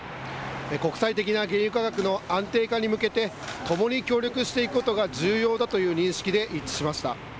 国際的な原油価格の安定化に向けて、共に協力していくことが重要だという認識で一致しました。